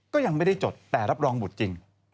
ก็ยังไม่ได้จดแต่รับรองบุตรจริง